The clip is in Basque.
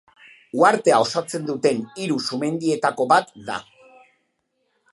Uhartea osatzen duten hiru sumendietako bat da.